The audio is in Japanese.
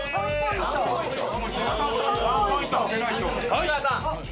・上川さん。